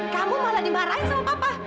kamu malah dimarahin sama papa